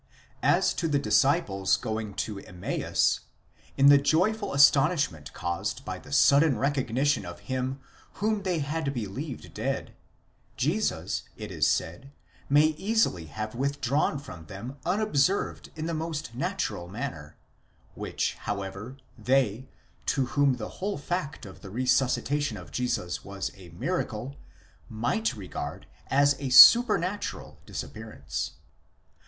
* As to the disciples going to Emmaus, in the joyful astonishment caused by the sudden recogni tion of him whom they had believed dead, Jesus, it is said, may easily have withdrawn from them unobserved in the most natural manner; which, how ever, they, to whom the whole fact of the resuscitation of Jesus was a miracle, might regard asa supernatural disappearance.